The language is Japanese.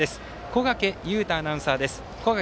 小掛雄太アナウンサーです。